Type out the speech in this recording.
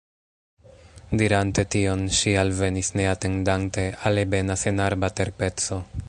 Dirante tion, ŝi alvenis, neatendante, al ebena senarba terpeco.